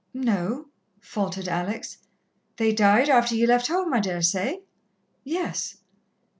"No," faltered Alex. "They died after ye left home, I daresay?" "Yes."